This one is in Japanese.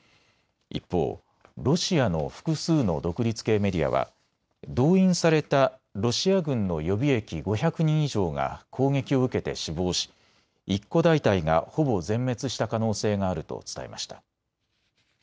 一方ロシアの複数の独立系メディアは動員されたロシア軍の予備役５００人以上が攻撃を受けて死亡し一個大隊がほぼ全滅した可能性があると伝えました。